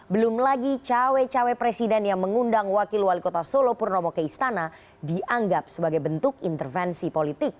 belum lagi cawe cawe presiden yang mengundang wakil wali kota solo purnomo ke istana dianggap sebagai bentuk intervensi politik